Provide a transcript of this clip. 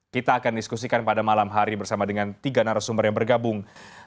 kita akan diskusikan pada malam hari bersama dengan tiga narasumber yang bergabung